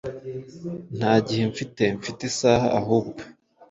Nta gihe mfite, mfite isaha ahubwo